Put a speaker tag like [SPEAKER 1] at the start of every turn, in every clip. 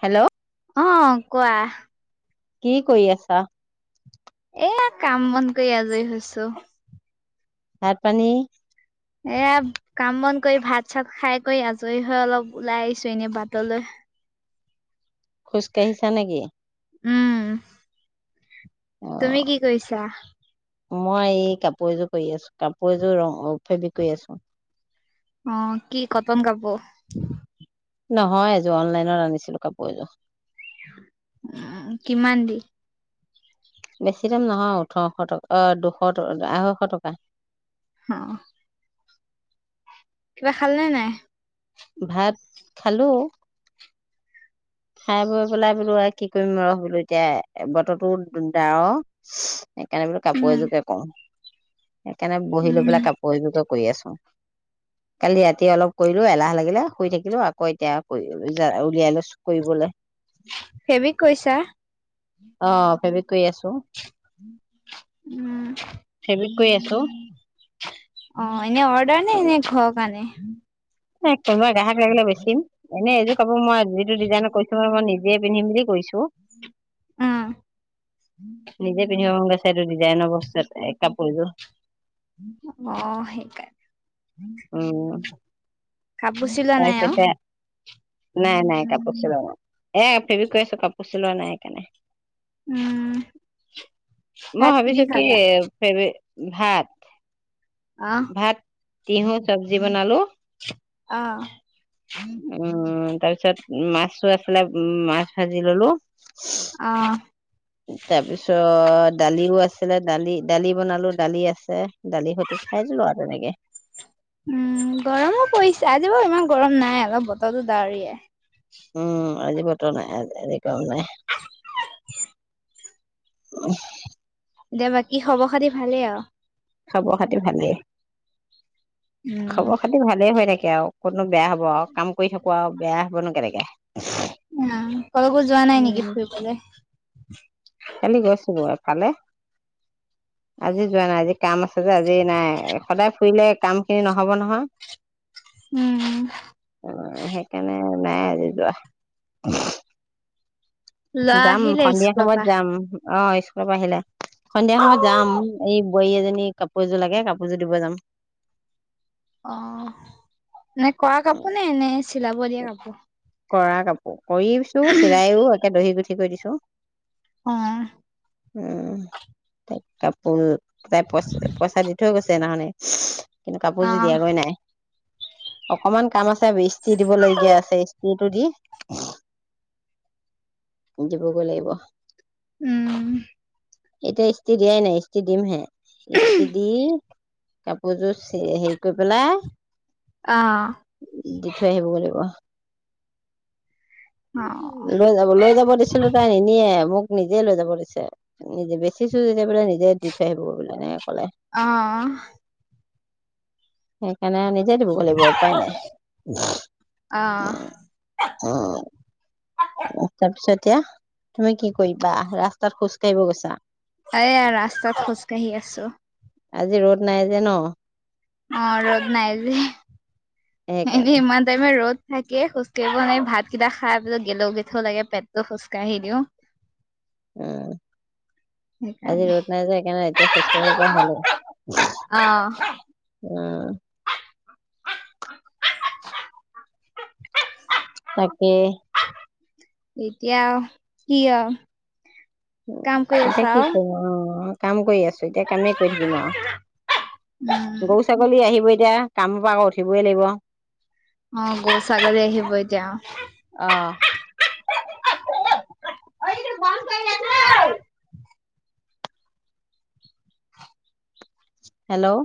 [SPEAKER 1] Hello
[SPEAKER 2] অ কোৱা।
[SPEAKER 1] কি কৰি আছা
[SPEAKER 2] এয়া কাম বন কৰি আজৰি হৈছো।
[SPEAKER 1] ভাত পানী
[SPEAKER 2] এয়া কাম বন কৰি ভাত চাত খাই কৰি আজৰি হৈ অলপ ওলাই আহিছোঁ এনে বাটলৈ।
[SPEAKER 1] খোজ কাঢ়িছা নেকি
[SPEAKER 2] উম।
[SPEAKER 1] অ
[SPEAKER 2] তুমি কি কৰিছা?
[SPEAKER 1] মই এই কাপোৰ এযোৰ কৰি আছো কাপোৰ এযোৰ ৰং অ - ফেব্ৰিক কৰি আছো।
[SPEAKER 2] অ' কি কটন কাপোৰ?
[SPEAKER 1] নহয় এযোৰ অনলাইনত আনিছিলোঁ কাপোৰ এযোৰ।
[SPEAKER 2] উ কিমান দি
[SPEAKER 1] বেছি দাম নহয় ওঠৰশ ট অ দুশ ট - আঢ়ৈশ টকা।
[SPEAKER 2] হম। কিবা খালনে নে নাই।
[SPEAKER 1] ভাত খালোঁ। খাই বৈ পেলাই বোলোঁ আৰু কি কৰিম ৰহ বোলো এতিয়া বতৰটো ডাৱৰ সেইকাৰণে বোলো কাপোৰ
[SPEAKER 2] উম
[SPEAKER 1] এযোৰকে কও। সেইকাৰণে বহি লৈ
[SPEAKER 2] উম
[SPEAKER 1] পেলাই কাপোৰ এযোৰকে কৰি আছো। কালি ৰাতি অলপ কৰিলোঁ এলাহ লাগি গিলে শুই থাকিলো। আকৌ এতিয়া [unintelligible] উলিয়াই লৈছোঁ কৰিবলে।
[SPEAKER 2] ফেৱিক কৰিছা?
[SPEAKER 1] অ' ফেৱিক কৰি আছোঁ।
[SPEAKER 2] উম।
[SPEAKER 1] ফেব্ৰিক কৰি আছোঁ।
[SPEAKER 2] অ এনে অৰ্ডাৰ নে এনে ঘৰৰ কাৰণে।
[SPEAKER 1] এ কোনোবাই গ্ৰাহক লাগিলে বেছিম। এনেই এইযোৰ কাপোৰ মই যিটো ডিজাইনত কৰিছোঁ মই নিজে পিন্ধিম বুলি কৰিছোঁ।
[SPEAKER 2] উম।
[SPEAKER 1] নিজে পিন্ধিব মন গৈছে এইটো ডিজাইনৰ বস্তু এই কাপোৰযোৰ।
[SPEAKER 2] অ সেইকাৰণে
[SPEAKER 1] উম।
[SPEAKER 2] কাপোৰ চিলোৱা নাই
[SPEAKER 1] তাৰপিছত
[SPEAKER 2] আৰু
[SPEAKER 1] এতিয়া নাই নাই কাপোৰ চিলোৱা নাই। এ ফেৱিক কৰি আছো কাপোৰ চিলোৱা নাই সেইকাৰণে।
[SPEAKER 2] উম ভাত
[SPEAKER 1] মই
[SPEAKER 2] দি
[SPEAKER 1] ভাবিছোঁ কি
[SPEAKER 2] খালা
[SPEAKER 1] এ ফেবিক।
[SPEAKER 2] অ
[SPEAKER 1] ভাত ভাত। তিহু চব্জি বনালো।।
[SPEAKER 2] অ
[SPEAKER 1] উম। উম। তাৰ পিছত মাছো আছিলে। উম মাছ ভাজি ললো।
[SPEAKER 2] অ'।
[SPEAKER 1] তাৰপিছত। দালিও আছিলে দালি-দালি বনালো দালি আছে দালি সৈতে খাই দিলো আৰু তেনেকে।
[SPEAKER 2] উম, গৰমো পৰিছে আজি বাৰু ইমান গৰম নাই অলপ বতৰটো দাৱৰিয়া।
[SPEAKER 1] উম, আজি বতৰ নাই আজি কাম নাই। উম।
[SPEAKER 2] এতিয়া বাকী খবৰ খাতি ভালেই আৰু?
[SPEAKER 1] খাবৰ খাতি ভালেই।
[SPEAKER 2] উম।
[SPEAKER 1] খবৰ খাতি ভালে হৈ থাকে। আৰু মনতো বেয়া হব আৰু কাম কৰি থাকো আৰু বেয়া হ'বনো কেনেকে।
[SPEAKER 2] উ, কলৈকো যোৱা নাই নেকি
[SPEAKER 1] উম
[SPEAKER 2] ফুৰিবলে?
[SPEAKER 1] ফালে আজি যোৱা নাই আজি। কাম আছে যে আজি নাই সদায় ফুৰিলে কাম খিনি নহব নহয়।
[SPEAKER 2] উম,
[SPEAKER 1] অ', সেইকাৰণে নাই আজি যোৱা।
[SPEAKER 2] ল'ৰা
[SPEAKER 1] যাম,
[SPEAKER 2] আহিলে
[SPEAKER 1] সন্ধিয়া
[SPEAKER 2] স্কুলৰ
[SPEAKER 1] সময়ত
[SPEAKER 2] পৰা।
[SPEAKER 1] যাম। অ, স্কুলৰ পৰা আহিলে সন্ধিয়া সময়ত যাম এই বোৱাৰী এজনী কাপোৰ এযোৰ লাগে কাপোৰযোৰ দিব যাম।
[SPEAKER 2] অ' নে কোৱা কাপোৰ এনে চিলাব দিয়া কাপোৰ।
[SPEAKER 1] কৰা কাপোৰ। কৰিছো চিলাইও একে দহি গুঠি। কৰি দিছো।
[SPEAKER 2] অ',
[SPEAKER 1] উম, ত। কাপোৰ তাই পইচ, পইচা দি থৈ গৈছে। সেইদিনা খনি। কিন্তু কাপোৰযোৰ
[SPEAKER 2] অ',
[SPEAKER 1] দিয়াগৈ নাই। অকমান কাম আছে, বেছ। টো দি। দিবগৈ লাগিব।
[SPEAKER 2] উম,
[SPEAKER 1] এতিয়া ইস্ত্ৰি দিয়াই নাই। ইস্ত্ৰি দিম হে, ইস্তি দি কাপোৰযোৰ হেৰি কৰি পেলাই।
[SPEAKER 2] অ',
[SPEAKER 1] দি থৈ আহিব লাগিব।
[SPEAKER 2] অ'।
[SPEAKER 1] লৈ যাব লৈ যাব দিছিলো, তাই নিনিয়ে মোক। নিজে লৈ যাব লৈছে নিজে বেচিছো যেতিয়া বোলে নিজে দি থৈ আহিব বোলে। এনে।
[SPEAKER 2] আহ,
[SPEAKER 1] উম, সণে নিজে দিব লাগিব উপায় নাই।
[SPEAKER 2] অ',
[SPEAKER 1] তাৰপিছত এতিয়া তুমি কি কৰিবা ৰাস্তাত খোজ কাঢ়িব গৈছা।
[SPEAKER 2] এয়া ৰাস্তাত খোজ কাঢ়ি আছো।
[SPEAKER 1] আজি ৰ'দ নাই যে ন?
[SPEAKER 2] অ ৰদ নাই যে এ
[SPEAKER 1] সেইকাৰণে
[SPEAKER 2] ইিমান টোইমে ৰ'ত থাকে খোজ কঢ়িব নোৱাৰি ভাতকেইটা খাই পেলাই গেলো গেঠো লাগে পেটটো খোজকাঢ়ি দিও
[SPEAKER 1] উম আজি
[SPEAKER 2] সেইকাৰণে
[SPEAKER 1] ৰ'দ নাই যায় সেইকাৰণে এতিয়া খোজ কাঢ়িব পৰা হ'ল উ
[SPEAKER 2] আহ [inaudible]
[SPEAKER 1] তাকে
[SPEAKER 2] এতিয়া কি অ
[SPEAKER 1] এতিয়া কি ক অ কাম কৰি আছে এতিয়া কামেই কৰি থাকিম আৰু গৰু
[SPEAKER 2] উম
[SPEAKER 1] ছাগলী আহিব এতিয়া কামৰ পৰা আকৌ উঠিবই লাগিব
[SPEAKER 2] অ গৰু ছাগলী আহিব এতিয়া
[SPEAKER 1] অ হেল্ল'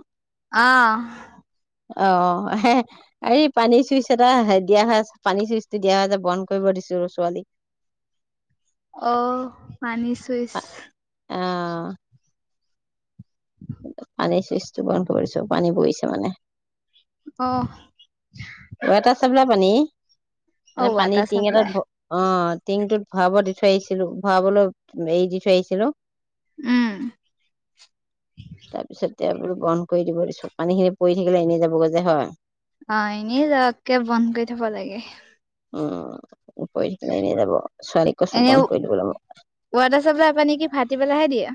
[SPEAKER 2] আহ
[SPEAKER 1] অ হে এই পানীৰ চুইচ এটা দিয়া হৈ পানী চুইচটো দিয়া হয় যে বন্ধ কৰিব দিছো ৰ ছোৱালীক
[SPEAKER 2] অ পানী ছুইছ
[SPEAKER 1] অ পানীৰ চুইচটো বন্ধ কৰিছো পানী বৈছে মানে
[SPEAKER 2] অ
[SPEAKER 1] এটা চাবলা পানী
[SPEAKER 2] অ
[SPEAKER 1] মানে পানী
[SPEAKER 2] ৱাটাৰ
[SPEAKER 1] টিং এটাত
[SPEAKER 2] চাপ্লাই
[SPEAKER 1] অ টিংটোত ভআব দি থৈ আহিছিলো ভোৱাবলৈ এই দি থৈ আহিছিলো
[SPEAKER 2] উম
[SPEAKER 1] তাৰপিছত তেতিয়া বোলো বন্ধ কৰি দিব দিছো পানী খিনি পৰি থাকিলে এনেই যাবগৈ যে হয়
[SPEAKER 2] অ এনেক বন্ধ কৰি থব লাগে
[SPEAKER 1] উমকনে এনেই যাব ছোৱালীক কৈছো
[SPEAKER 2] এনে
[SPEAKER 1] বন্ধ কৰি দিবলৈ মোক
[SPEAKER 2] ৱাটাৰচাপ্লাই পানি কি ভাত পেলাহে দিয়া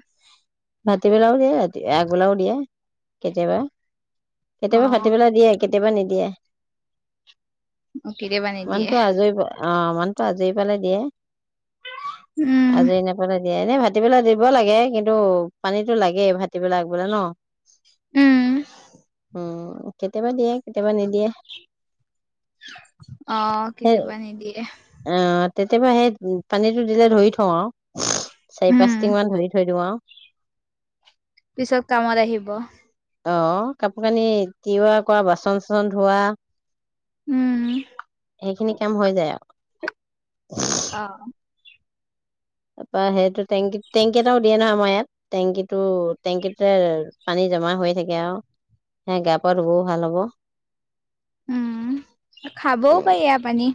[SPEAKER 1] ৰাতিবেলাও দিয়ে ৰাতি আগবেলাও দিয়ে কেতিয়াবা কেতিয়াবা
[SPEAKER 2] অ
[SPEAKER 1] ফাটিবেলা দিয়ে কেতিয়াবা নিদিয়ে
[SPEAKER 2] কেতিয়াবা নিদিয়ে
[SPEAKER 1] মানুহটো আজৰি অ মনতো আজৰি পালে দিয়ে
[SPEAKER 2] উম
[SPEAKER 1] আজৰি নাপালে দিয়া নে ভাল কাটি পেলাই দিব লাগে কিন্তু পানীতো লাগেই ভাটিবেলাক বোলে ন
[SPEAKER 2] উম
[SPEAKER 1] উম কেতিয়াবা দিয়ে কেতিয়াবা নিদিয়ে
[SPEAKER 2] অ কেতিয়াবা নিদিয়ে
[SPEAKER 1] আহ তেতিয়াবা সেই পানীটো দিলে ধৰি থওঁ আৰু চাৰি
[SPEAKER 2] উম
[SPEAKER 1] পাঁচটিঙ মান ধৰি থৈ দিওঁ আৰু
[SPEAKER 2] পিছত কামত আহিব
[SPEAKER 1] অ কাপোৰ কানি তিওৱা কৰা বাচন চাচন ধোৱা
[SPEAKER 2] উম
[SPEAKER 1] সেইখিনি কাম হৈ যায় আৰু
[SPEAKER 2] অ
[SPEAKER 1] তাৰপৰা সেইটো টেং টেংকি এটাও দিয়ে ন আমাৰ ইয়াত টেংকিটো টেংকিতে পানী জমা হৈ থাকে আৰু সেই গা পা ধুবও ভাল হব
[SPEAKER 2] উম খাবও
[SPEAKER 1] উম,
[SPEAKER 2] পাৰি আৰু পানী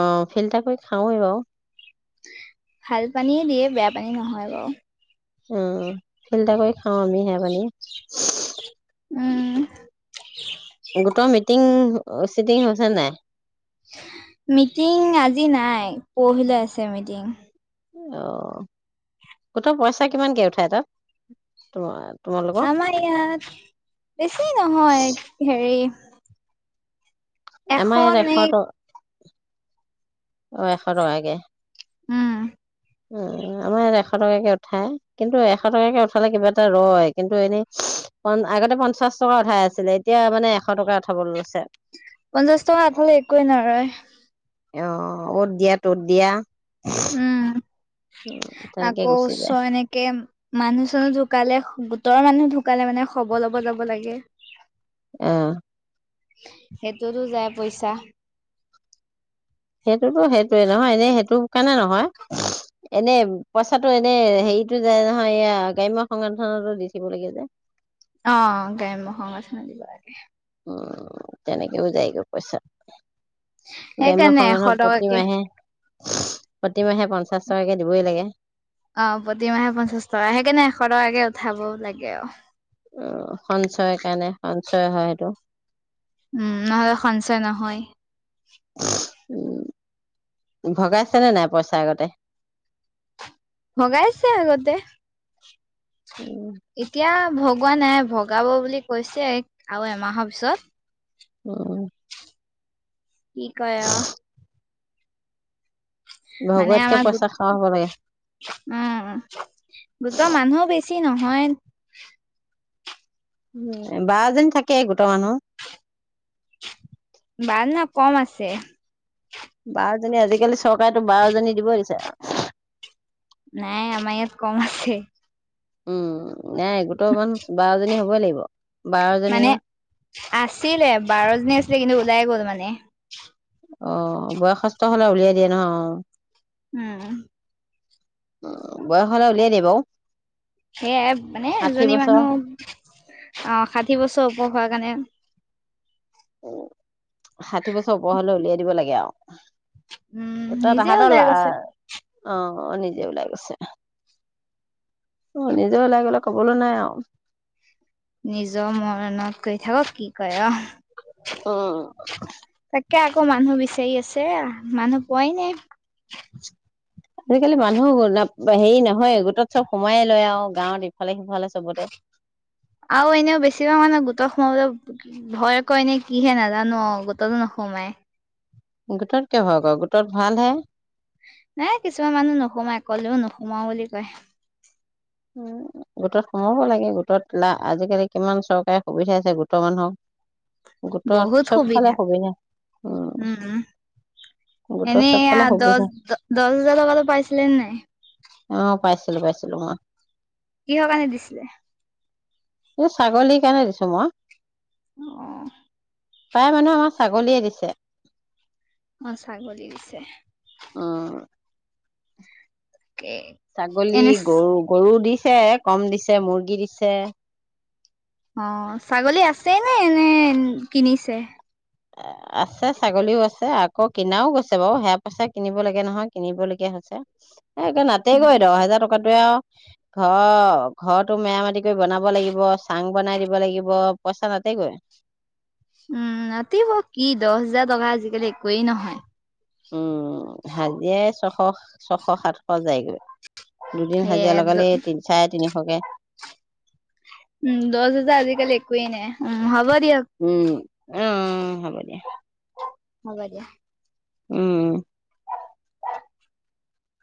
[SPEAKER 1] অ ফিল্টাৰ কৰি খাওৱে বাৰু
[SPEAKER 2] ভাল পানীয়ে দিয়ে বেয়া পানী নহয় বাৰু
[SPEAKER 1] উম ফিল্টাৰ কৰি খাওঁ আমি সেয়া পানী
[SPEAKER 2] উম,
[SPEAKER 1] গোটৰ মিটিং অ চিটিং হৈছে নাই
[SPEAKER 2] মিটিং আজি নাই পৰহিলৈ আছে মিটিং
[SPEAKER 1] অ গোটৰ পইচা কিমানকে উঠাই তাত তোমাৰ তোমালোকৰ?
[SPEAKER 2] আমাৰ ইয়াত বেছি নহয় হেৰি
[SPEAKER 1] আমাৰ ইয়াত এশ দহ। [unintelligible] অ এশ টকাকে।
[SPEAKER 2] উম
[SPEAKER 1] উ আমাৰ ইয়াত এশ টকাকে উঠাই কিন্তু এশ টকাকে উঠালে কিবা এটা ৰয়। কিন্তু এনেই আগতে পঞ্চাশ টকা উঠাই আছিলে এতিয়া মানে এশ টকা উঠাব লৈছে।
[SPEAKER 2] পঞ্চাশ টকা আপুনি একো নৰয়
[SPEAKER 1] আহ অ অ'ত দিয়া ত'ত দিয়া।
[SPEAKER 2] উম
[SPEAKER 1] উম, তেনেকে
[SPEAKER 2] আকৌ
[SPEAKER 1] গুচি
[SPEAKER 2] উচ্চ
[SPEAKER 1] যায়
[SPEAKER 2] এনেকে। মানুহ চানুহ ঢুকালে গোটৰৰ মানুহ ঢুকালে মানে খব লব যাব লাগে
[SPEAKER 1] আহ
[SPEAKER 2] সেইটোতো যায় পইচা।
[SPEAKER 1] সেইটোতো সেইটোয়ে নহয় এনে সেইটো কাৰণে নহয় এনে পইচাটো এনে হেৰিতটো যায় নহয় এ গ্ৰাম্য সংগঠনতো দি থিব লাগে যে।
[SPEAKER 2] অ গ্ৰাম্যসংগঠনতো দিব লাগে
[SPEAKER 1] উম তেনেকেও যায়গৈ পইচা।
[SPEAKER 2] সেইকাৰণে এশ টকাকে।
[SPEAKER 1] প্ৰতিমাহে পঞ্চাশ টকাকে দিবই লাগে।
[SPEAKER 2] অ প্ৰতিমাহে পঞ্চাশ টকা সেইকাৰণে এশ টকাকে উঠাব লাগে আৰু।
[SPEAKER 1] উ সঞ্চয় কাৰণে সঞ্চয় হয় সেইটো।
[SPEAKER 2] উম নহ'লে সঞ্চয় নহয়।
[SPEAKER 1] উ ভগাইছেনে নাই পইচা আগতে।
[SPEAKER 2] ভগাইছে আগতে
[SPEAKER 1] উম,
[SPEAKER 2] এতিয়া ভগোৱা নাই ভগাব বুলি কৈছে আৰু এমাহৰ পিছত।
[SPEAKER 1] অহ
[SPEAKER 2] কি কৰে আৰু। মানে
[SPEAKER 1] ভগোৱাতকে
[SPEAKER 2] আমাৰ
[SPEAKER 1] পইচা
[SPEAKER 2] গোট
[SPEAKER 1] খৰচ
[SPEAKER 2] উ
[SPEAKER 1] হ'ব লাগে।
[SPEAKER 2] গোট মানুহ বেছি। বেছি নহয়।
[SPEAKER 1] উ বাৰজন থাকে গোট মানুহ।
[SPEAKER 2] বাৰ নাই কম আছে।
[SPEAKER 1] বাৰজনী আজিকালি চৰকাৰেতো বাৰ জনী দিব দিছে।
[SPEAKER 2] নাই আমাৰ ইয়াত কম আছে।
[SPEAKER 1] উম নাইগোট মান বাৰজনী হ'বই লাগিব বাৰজনী
[SPEAKER 2] মানে আছিলে বাৰ জনী আছিলে কিন্তু ওলাই গ'ল মানে। নে
[SPEAKER 1] অ বয়সস্থ হ'লে উলিয়াই দিয়ে নহয় অ।
[SPEAKER 2] উম
[SPEAKER 1] অ বয়স হ'লে উলিয়াই দেই বাৰু
[SPEAKER 2] সেয়াই মানে
[SPEAKER 1] ষাঠি
[SPEAKER 2] এজনী
[SPEAKER 1] বছৰ
[SPEAKER 2] মানুহ ষাঠি বছৰ ওপৰ। যোৱা কাৰণে
[SPEAKER 1] উ ষাঠি বছৰ ওপৰ হলে উলিয়াই দিব লাগে আৰু
[SPEAKER 2] উম
[SPEAKER 1] তেতিয়া
[SPEAKER 2] নিজে
[SPEAKER 1] তাহাঁতৰ
[SPEAKER 2] ওলাই
[SPEAKER 1] লা
[SPEAKER 2] গৈছে
[SPEAKER 1] অ অ নিজে ওলাই গৈছে অ নিজে ওলাই গলে কবলৈ নাই আৰু
[SPEAKER 2] নিজৰ মনত কৰি থাক কি কয়
[SPEAKER 1] উঅ
[SPEAKER 2] কে আকৌ মানুহ বিচাৰি আছে মানুহ পোৱাই নাই
[SPEAKER 1] আজিকালি মানুহ হল নহয় গোটত চব সোময়ে লয় আৰু গাঁৱত ইফালে সিফালে চবতে
[SPEAKER 2] আৰু এনেও বেছি ভাগ মানে গোটত সোমল ভয় কয় এনে কিহে নাজানো গোটতো নসোমাই
[SPEAKER 1] গোটত কিয় ভয়ক গোটত ভাল হে
[SPEAKER 2] নাই কিছুমান মানুহ নোসোমায় অকলেও নোসোমাও বুলি কয়
[SPEAKER 1] গোটত সোমাব লাগে গোটত লাভ আজিকালি কিমান চৰকাৰে সুবিধাছে গোটৰ মানুহক গোটত
[SPEAKER 2] বহুত
[SPEAKER 1] চবফালে
[SPEAKER 2] সুবিধা উম
[SPEAKER 1] গোটৰ
[SPEAKER 2] এনেইয়া
[SPEAKER 1] চবফালে
[SPEAKER 2] দহ
[SPEAKER 1] সুবিধা
[SPEAKER 2] দহ হাজাৰ টকাতো পাইছিলে নাই
[SPEAKER 1] অ পাইছিলো পাইছিলো মই
[SPEAKER 2] কিহৰ কাৰণে দিছিলে
[SPEAKER 1] এই ছাগলীৰ কাৰণে দিছো মই
[SPEAKER 2] অ
[SPEAKER 1] তাৰ মানুহেৰ আমাৰ ছাগলীয়ে দিছে।
[SPEAKER 2] অ' ছাগলীয়ে দিছে।
[SPEAKER 1] অ'। ছাগলী
[SPEAKER 2] এনে
[SPEAKER 1] গৰু গৰু দিছে। দিছে কম দিছে মুৰ্গী দিছে।
[SPEAKER 2] অ' ছাগলী আছেই নে নে কিনিছে?
[SPEAKER 1] আছে ছাগলীও আছে আকৌ কিনাও গৈছে বাৰু সেয়া পইচা কিনিব লাগে নহয়। কিনিবলগীয়া হৈছে। এ একে
[SPEAKER 2] অ
[SPEAKER 1] নাইগৈ দহ হাজাৰ টকা। কটে [inaudible] আৰু ঘৰ ঘৰটো মেৰামতি কৰি বনাব, লাগিব চাং বনাই দিব লাগিব পইচা নাটেগৈ
[SPEAKER 2] উম নাতিব কি দহ হোজাৰ টকা আজিকালি একোৱেই নহয়।
[SPEAKER 1] উম হাজে ছশ ছশ সাতশ যায়গৈ। দুদিন হাজিৰা
[SPEAKER 2] সেয়ে
[SPEAKER 1] লগালে এই তিনি চাৰে তিনিশ। ছাগে।
[SPEAKER 2] উম দহ হাজাৰ আজিকালি একোৱেই নাই উ হ'ব দিয়ক।
[SPEAKER 1] উম উম হ'ব দিয়া
[SPEAKER 2] হ'ব দিয়া।
[SPEAKER 1] উম।